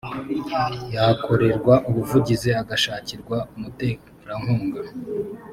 yakorerwa ubuvugizi agashakirwa umuterankunga